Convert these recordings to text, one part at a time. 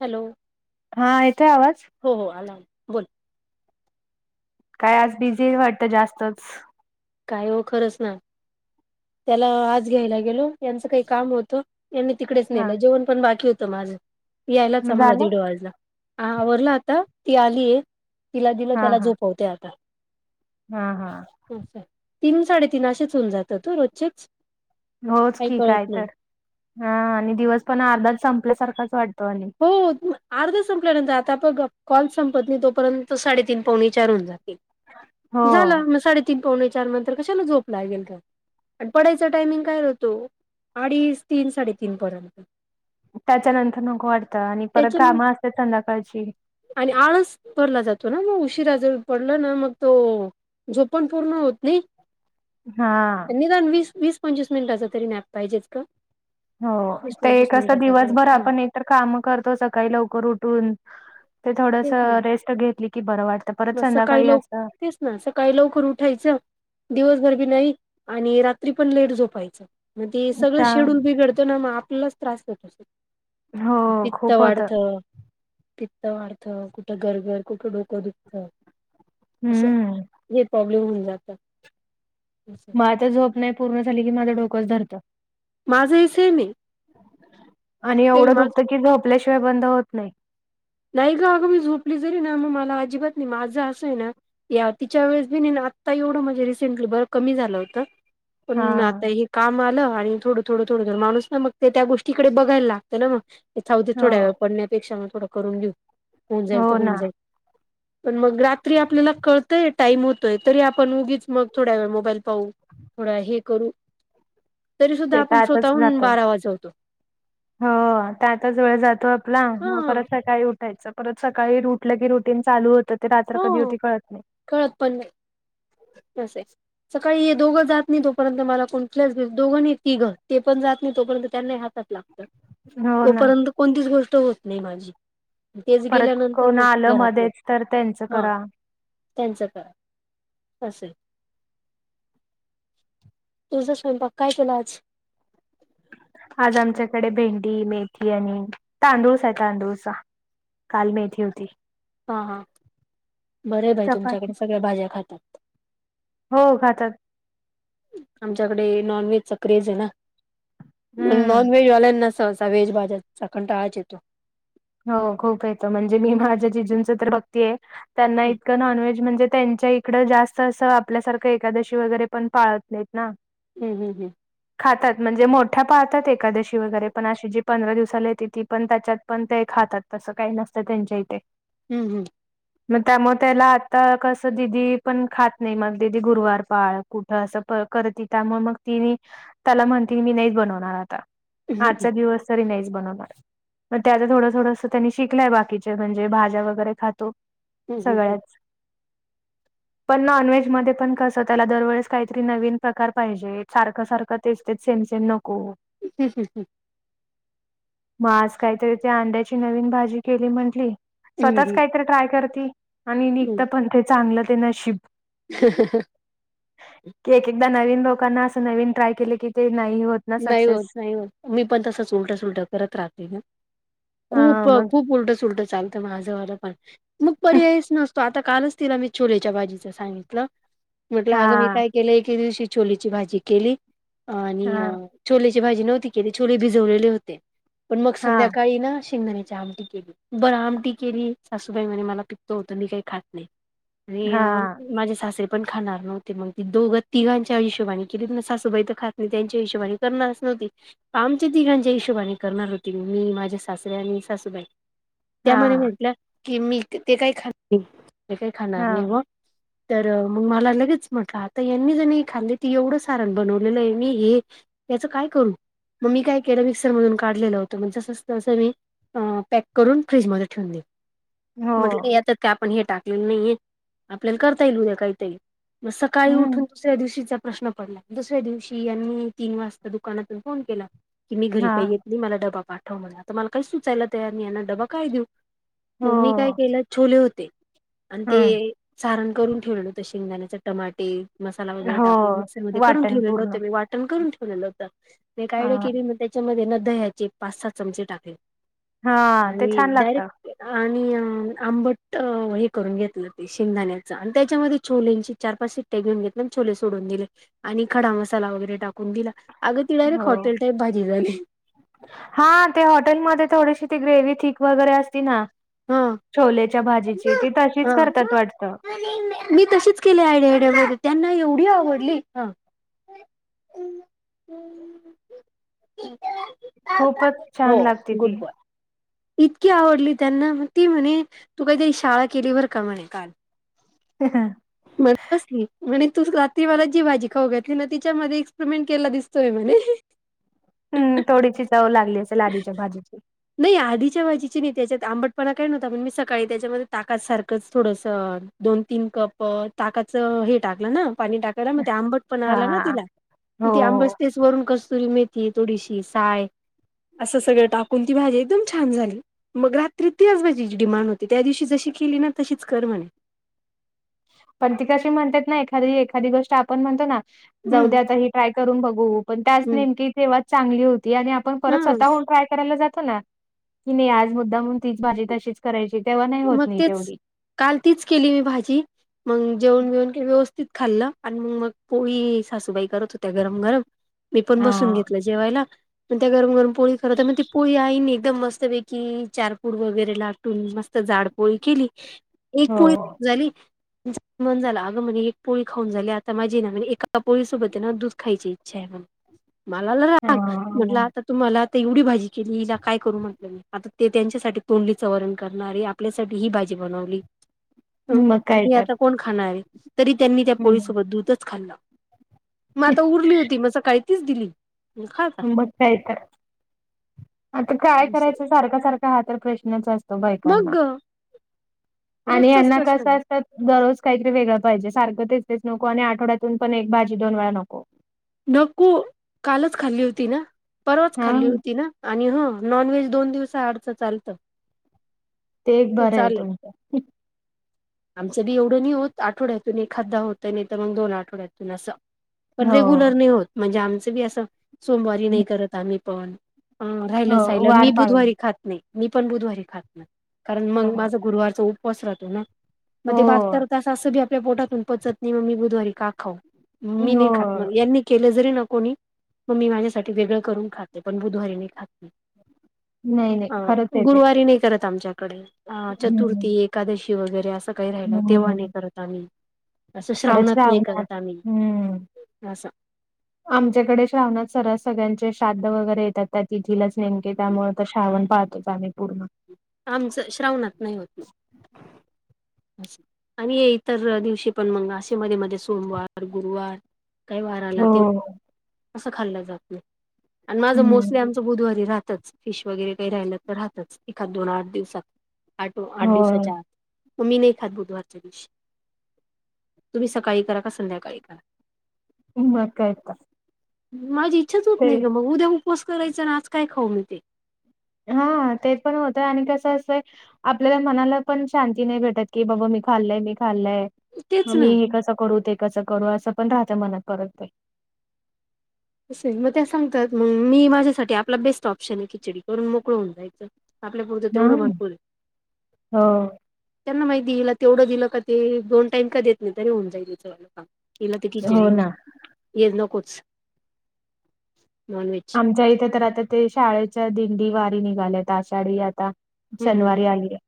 Hello. हा येतोय आवाज. हो हो आला बोल. काय आज बिझी वाटतं जास्तच. काय हो खरच ना त्याला आज घ्यायला गेलो यांचं काही काम होतं. यांनी तिकडेच हा नेलं जेवण पण बाकी होतं माझं यायलाच मग आम्हाला झालं दीड वाजला. ह आवरडला आता ती आलीय तिला दिलं हा त्याला हा झोपवते आता. हा हा. [inaudible] तीन साडेतीन अशेच होऊन जात रोजचेच. होच काही ठीक आहे कळत नाही तर हा आणि दिवस पण अर्धाच संपल्यासारखाच वाटतो आणि. हो अर्धा संपल्यानंतर आता आपण कॉल संपत नाही तोपर्यंत साडेतीन पावणी चार होन जातील. हो झालं म साडेतीन पावणे चार नंतर कशाला झोप लागेल का. आणि पडायचा टायमिंग काय होतो अडीच तीन साडेतीन पर्यंत. त्याच्यानंतर नको वाटतं आणि परत त्याच्या [inaudible] असत संध्याकाळची. आणि आळस भरला जातो ना मग उशिरा जर पडल ना मग तो. झोप पण पूर्ण होत नाही. हा. निदान वीस वीस पंचवीस मिनिटाचा तरी [inaudible] पाहिजेच. हो वीस ते पंचवीस कसं मिनिटाचा तरी दिवसभर मग आपण एकतर काम करतो सकाळी लवकर उठून. ते थोडस तेच ना रेस्ट घेतली की बरं वाटतं परत मग सकाळी संध्याकाळी लव असंत. तेच ना सकाळी लवकर उठायचं दिवसभर बी नाही आणि रात्री पण लेट झोपायचं. मग ते सगळं त्या शेड्यूल बिघडत ना मग आपल्यालाच त्रास होतो. हो पित्त खूप होतं वाढत. [inaudible] कुठं घरघर कुठं डोकं दुखतं. असं हम्म हे प्रॉब्लेम होऊन जात. माझ झोप नाही पूर्ण झाली की डोकं धरतं. माझ ही सेम आहे. आणि सेम एवढं माझ दुखतं की झोपल्याशिवाय बंद होत नाही. नाही ग अगं मी झोपली जरी ना मग मला अजिबात नाही माझं असं आहे ना. या तिच्या वेळेस बी नाही आता एवढं म्हणजे रिसेंटली बर कमी झालं होतं पण हां. आता. काम आलं आणि थोडं थोडं थोड जर माणूस ना मग ते त्या गोष्टीकडे बघायला लागतं ना मग. इथ राहूदे हो, थोडा वेळ पडण्यापेक्षा मग थोड करून घेऊ होऊन जाईल तर हो ना. होऊन जाईल. [inaudible] पण मग रात्री आपल्याला कळतय टाइम होतोय तरी आपण उगीच मग थोड्या वेळ मोबाईल पाहू. थोडा हे करू. [inaudible] सुद्धा ते आपण त्यातच स्वतःहून जातो. बारा वाजवतो. हो त्यातच वेळ जातो आपला हा मग परत सकाळी उठ. उठायचं परत सकाळी उठलं की रुटीन चालू होतं ते रात्र कधी हो होती कळत नाही. कळत पण नाही. अस आहे. सकाळी ये दोघं जात नाही तोपर्यंत मला कोणतल्याच दोघं नाही तिघं ते पण जात नाही तोपर्यंत त्यांना हातात ला. हो ना. तोपर्यंत कोणतीच गोष्ट होत नाही माझी. तेच परत गेल्यानंतर कोण मग आलं घरातले मध्येच तर त्यांचं हा करा. त्यांचं करा. अस आहे. तुझा स्वयंपाक काय केला आज. आज आमच्याकडे भेंडी मेथी आणि तांदूळसा आहे तांदूळसा काल मेथी होती. हा हा बर बाई चपाती तुमच्याकडे सगळ्या भाज्या खातात. हो खातात. आमच्याकडे नॉनव्हेजचा क्रेज आहे ना, हम्म. नॉनव्हेजवाल्यांना स त्या व्हेज भाज्यांन चा कंटाळा च येतो. हो खूप येतो म्हणजे मी माझ्या जिजूंच तर बघतेय. त्यांना हं इतकं नॉनव्हेज म्हणजे त्यांच्या इकडं जास्त असं आपल्यासारखं एकादशी वगैरे पण पाळत नाही. ना हम हम हम खातात म्हणजे मोठ्या पाळतात एकादशी वगैरे पण अशी जी पंधरा दिवसाला येते ती पण त्याच्यात पण ते खातात तस काही नसतं त्यांच्या इथे हम् हम मग त्यामुळे त्याला आता कसं दिदी पण खात नाही मग दिदी गुरुवार पाळ कुठ असं करत त्यामुळे मग ती मी त्याला म्हणते मी नाहीच बनवणार आता हं हं आजचा दिवस तरी नाहीच बनवणार मग त्याचा थोड थोडस त्यांनी शिकलंय बाकीच्या म्हणजे भाज्या वगैरे खातो हं हं हं हं सगळ्याच. [inaudible] पण नॉनव्हेज मध्ये पण कस त्याला दरवेळेस काहीतरी नवीन प्रकार पाहिजे सारखं सारखं तेच तेच सेम सेम नको. ह ह ह मग आज काहीतरी ते अंड्याची नवीन भाजी केली म्हंटली. हं स्वतःच हं काहीतरी ट्राय करती आणि निघत हं पण ते चांगलं ते नशीब [unintelligible] की एक एकदा नवीन लोकांना असं नवीन ट्राय केले की ते नाही होत. ना नाही होत सक्सेस नाही होत मी पण तसंच उलटं सुलटं करत राहते ना. हा खूप मग खूप उलट सुलट चालतं माझं वालं पण मग पर्यायच नसतो आता कालच तिला मी छोलेच्या भाजीच सांगितलं म्हटलं अग मी हा काय गेल्या एके दिवशी छोले ची भाजी केली आणि हा छोलेची भाजी न्हवती केली छोले भिजवलेले होते. पण मग हा संध्याकाळी ना शेंगदाण्याची आमटी केली बरं आमटी केली सासूबाई म्हणे मला पित्त होत मी काही खात नाही. हा आणि माझे सासरे पण खाणार न्हवते मग ते दोघं तिघांच्या हिशोबाने केली सासूबाई तर खात नाही त्यांच्या हिशेबाने. करणारस नव्हती. आमच्या तिघांच्या हिशोबाने करणार होती मी माझे सासरे आणि सासूबाई. त्यामले हा म्हटल्या की मी ते काय ते काही खात नाही मी काही खाणार नाही हा [unintelligible] तर मग मला लगेच म्हटलं आता यांनी ज हे खाल्ली त एवढं सारण बनवलेलं आहे मी हे याचं काय करू मग मी काय केलं मिक्सर मधून काढलेलं होतं तसच अस मी अ पॅक करून फ्रीजमध्ये ठेवून दिल. हो म्हटलं यातत का आपण हे टाकलेलं नाहीये आपल्याला करता येईल उद्या काहीतरी म सकाळी हम्म उठून दुसऱ्या दिवशीचा प्रश्न पडला दुसऱ्या दिवशी यांनी तीन वाजता दुकानातून फोन केला की मी घरी हा काही येत नाही मला डबा पाठव म्हण आता मला काही सुचायला तयार मी यांना डबा काय देऊ. हो मग मी काय केलं छोले होते आणि ते हम्म सारण करून ठेवलेल होत शेंगदाण्याच टमाटे मसाला वगैरे हो टाकून मिक्सर मध्ये करून वाटण ठेवले पूर्ण होते. मी वा वाटण करून ठेवलेलं होत. मी एक हा आईडिया केली म त्याच्यामध्ये ना दह्याचे पाच साहा चमचे टाकले. हा ते आणि छान लागतं डायरेक्ट आणि अ आंबट अ हे करून घेतलं ते शेंगदाण्याच आणि त्याच्यामध्ये छोलेंची चार पाच [unintelligible] आणि छोले सोडून दिले आणि खडा मसाला वगैरे टाकून दिला अग [inaudible] हो हॉटेल टाईप भाजी झाली हा ते हॉटेलमध्ये थोडीशी ती ग्रेव्ही थिक वगैरे असती ना हा छोलेच्या भाजीची ते तशीच हा करतात वाटत मी तशीच केली आयडिया आयड्यामध्ये त्यांना एवढी आवडली. [unintelligible] खूपच हो छान लागती ती गुड बॉय इतकी आवडली त्यांना मग ती म्हणे तू काहीतरी शाळा केली बर का म्हणे काल. ह ह म बसली म्हणे तू रात्रीला जी भाजी खाऊ घेतली ना तीच्यामध्ये एक्सपेरिमेंट केला दिसत. चल म्हणे हम्म थोडीशी चव लागली असेल आधीच्या भाजीची नाही आ आधीच्या भाजीचि तेच्यात आंबटपणा काय नव्हता पण मी सकाळी त्याच्यामध्ये ताका सारखंच थोडंसं. दोन तीन कप. ताकाच हे टाकलं ना पाणी टाकायला मग ते आंबट पणा आला ना हा तिला हो ते आंबस हो पेस वरून कस्तुरी मेथी थडीशी साय असं सगळं टाकून ती भाजी एकदम छान झाली मग रात्री त्याच भाजी जी डिमांड होती त्या दिवशी जशी केली ना तशीच कर म्हणे. पण ती कशी म्हणतात ना एखादी एखादी गोष्ट आपण म्हणतो ना हम्म जाऊदे आता ही. ट्राय करून बघू पण त्याच हम्म नेमकी तेव्हाच चांगली होती आणि आपण परत हा. स्वतः हुन ट्राय करायला जातो. ना की नाही आज मुद्दाम म्हून तीच भाजी तशीच करायची तेव्हा नाही होत मग नाही तेच तेवढी. काल तीच केली मी भाजी मग जेवण बेवण के व्यवस् खाल्लं आणि मग मग पोळी सासूबाई करत होत्या गरम गरम मी पण हा बसून घेतलं जेवायला मग त्या गरम गरम पोळी करत मग ती पोळी आईनी एकदम मस्तपैकी चारपूड वगैरे लाटून मस्त जाडपोळी केली. एक हो पोळी झाली. मन झाला अगं म्हणे एक पोळी खाऊनली आता माझी ना म्हजे एका पोळीसोबत ना दूध खायची इच्छा आहे म्हण मला आला राग म्हटलं हा आता तूम्हाला आता एवढी भाजी केली हिला काय करू म्हटलं मी आता ते त्यांच्यासाठी तोंडली चं वरण करणारे आपल्यासाठी ही भाजी बनवली. मग काय आणि हे तर आता कोण खाणार आहे तरी त्यांनी त्या हम्म. पोळीसोबत दूधच खाल्ल मग आता उरली होती म सकाळ तीच दिली खा आता मग काय तर आता काय करायचं सारख सारखा हा तर प्रश्नच असतो. तो बायकांना मग आणि रोजचाच यांना प्रश्न कस आहे असत. दररोज काहीतरी वेगळं पाहिजे सारखं तेच तेच नको आणि आठवड्यातून पण एक भाजी दोन वेळा नको. नको कालच खाल्ली होती ना परवाच हा खाल्ली होती. ना आणि ह नॉनव्हेज दोन दिवस अडच चालतं. ते एक बरं आहे तु आमचं बी एवढं नाही होत आठवड्यातून एखादा होत नाही तर मग दोन आठवड्यातून असं. पण रेग्युलर हो नाही होत. म्हणजे आमचं बी असं सोमवारी नाही करत आम्ही पन. ह हो राहिलंचहिलं मी वार पाळून बुधवारी खात नाही मी पण बुधवारी खात नाही. कारण ह मग माझा गुरुवारचा उपवास राहतो ना. मग हो ते भात तर असं बी आपल्या पोटातून पचत नाही मग मी बुधवारी का खाऊ. मी नाही खात म हो यांनी केले, जरी न कोणी मग मी माझ्यासाठी वेगळं करून खाते पण बुधवारी नाही खात, नाही नाही अ खरंच येते गुरुवारी नाही करत आमच्याकडे अ हम्म चतुर्थी, एकादशी वगैरे असं काही राहि तेव्हा नाही करत आम्ही, असं परत श्रावणात नाही करत आम्ही हम्म असं आमच्याकडे श्रावणात सरास सगळ्यांचे श्राद्ध वगैरे येतात. त्या तिथीलाच नेमके त्यामुळे तर श्रावण पाळतोच आम्ही पूर्ण, आमच श्रावणात नाही होत. आणि इतर दिवशी पण मंग असशे मध्ये मध्ये सोमवार, गुरुवार काही वाराला हो, तेव्हा असं खाल्लं जात नाही. आणि माझं मोस्टली हं, आमचं बुधवारी राहतच फिश वगैरे, काही राहिलं तर राहतच एखाद दोन आठ दिवसात. आठो आठ होय. दिवसाच्या आत मग् मी नाही खात बुधवारच्या दिवस तुम्ही सकाळी करा, का संध्याकाळी करा, मग काय तर, माझी इच्छाच होत ते नाही, ग मग उद्या उपवास करायचां ना आज काय खाऊ म्हणते, हा ते पण होतय, आणि कसं असंय. आपल्याला मनाला पण शांती नाही भेटत की, बाबा मी खाल्लय, मी खाल्लय, मग तेच ना. मी हे कसं करू ते कस करू असं पण राहत मनात परत ते, अस हाय, मग त्या सांगतात मग मी माझ्यासाठी आपला बेस्ट ऑप्शन आहे. खिचडी करून मोकळ होऊन जायचं. आपल्या पुरतं तेवढं हां, भरपूर आहे. हो, त्यांना माहिती हाय हिला तेवढं दिलं, का ते दोन टाइम का देत नाही तरी होऊन जाईल, हिच काम, हिला ती खिचडी हो ना. हे नकोच, म मी आमच्या इथे तर आता ते शाळेच्या दिंडी वारी निघाल्यात. आषाढी आता हं हं शनिवारी आलीया,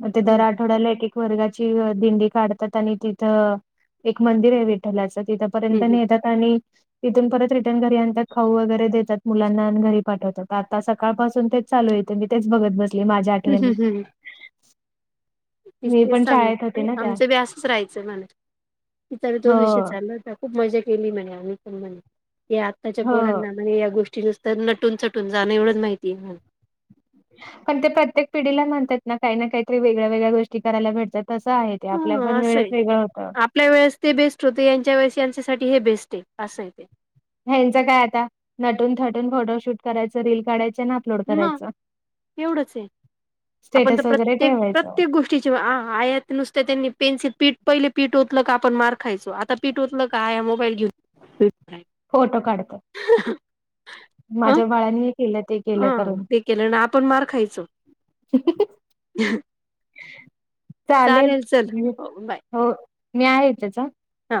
मग ते दर हं हं आठवड्याला एक एक वर्गाची दिंडी काढतात आणि तिथं एक मंदिर आहे विठ्ठलाचं तिथं पर्यंत हं. न्हेतात आणि तिथून परत रिटर्न घरी आणतात. खाऊ वैगेरे, देतात मुलांना आणि घरी पाठवतात. आता सकाळ पासून तेच चालू हाय मी तेच बघत बसले. माझ्या हं आठवणी ती मी तेच पण शाळेत सांगत होते ना त्या आमचं बी असच राहायचं म्हणे की तीचा बी हो तोच विषय चालु होता. खूप मजा केली म्हणे आम्ही पण म्हणे या आत्ताच्या हो पोरांना म्हणे या गोष्टी नुसत तर नटून थटून जाणं एवढंच माहिती आहे. ह्याना पण ते प्रत्येक पिढीला म्हणतात ना काही ना काहीतरी वेगळ्या वेगळ्या गोष्टी करायला भेटता तसं आहे. ते आपल्या पण हं असं आहे. वेळेत वेगळं होतं. आपल्या वेळेस ते बेस्ट होते, यांच्या वेळेस यांच्यासाठी हे बेस्ट आहे. असं हाय ह्यांचं काय आता नटून थटून फोटोशूट करायचं, रील काढायचे. ना म एवढच आहे आपण तर स्टेटस वगैरे प्रत्येक ठेवायचं प्रत्येक गोष्टी आयात नुसत त्यांनी पेनसि पी पहिले पीठ ओतलं का आपण मार खायचो आता पीट ओतल का आया मोबाईल घेऊन, फोटो काढत्यात, अ माझ्या बाळनी हे केलं ते हा केलं करून ते केलं ना आपण मार खायचो. चालेल चल म हो बाय हो मी आहे इथेच हा हा